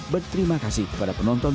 berterima kasih kepada penonton